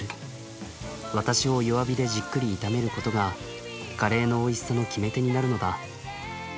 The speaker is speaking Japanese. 私を弱火でじっくり炒めることがカレーのおいしさの決め手になるのだ。